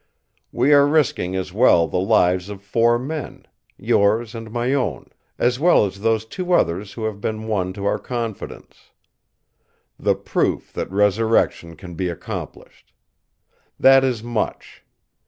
We are risking as well the lives of four men; yours and my own, as well as those two others who have been won to our confidence. 'The proof that resurrection can be accomplished!' That is much.